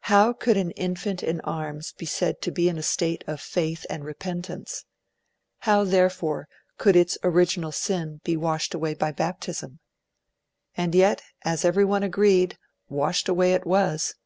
How could an infant in arms be said to be in a state of faith and repentance? How, therefore, could its original sin be washed away by baptism? And yet, as every one agreed, washed away it was.